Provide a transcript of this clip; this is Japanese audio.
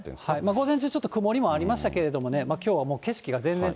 午前中、ちょっと曇りもありましたけどね、きょうはもう景色